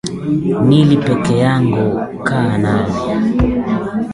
Nili pekee yangu, kaa nami.